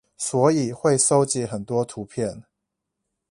所以會蒐集很多圖片